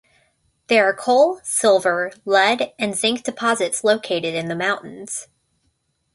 There are coal, silver, lead, and zinc deposits located in the mountains.